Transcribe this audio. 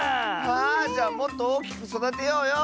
あじゃもっとおおきくそだてようよ！